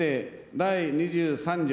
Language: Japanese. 第２３条